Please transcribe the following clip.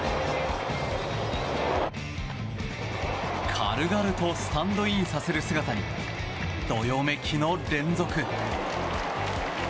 軽々とスタンドインさせる姿にどよめきの連続。